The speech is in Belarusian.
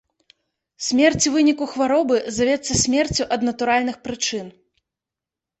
Смерць у выніку хваробы завецца смерцю ад натуральных прычын.